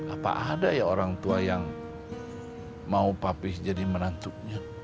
apa ada ya orang tua yang mau papih jadi menantunya